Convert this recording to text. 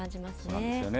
そうなんですよね。